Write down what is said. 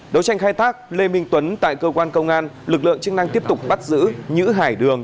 đấu tranh khai thác lê minh tuấn tại cơ quan công an lực lượng chức năng tiếp tục bắt giữ nhữ hải đường